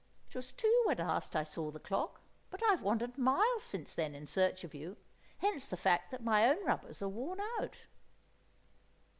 "It was two when last I saw the clock, but I've wandered miles since then in search of you, hence the fact that my own rubbers are worn out."